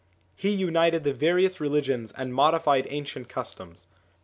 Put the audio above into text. He united the various religions and modified ancient customs.